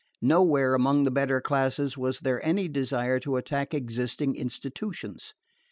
Nowhere among the better classes was there any desire to attack existing institutions.